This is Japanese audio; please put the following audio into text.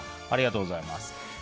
ありがとうございます。